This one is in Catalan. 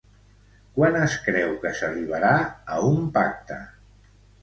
Quan es creu que s'arribarà a un pacte?